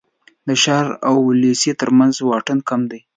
د ښار او لېسې تر منځ واټن کم دی.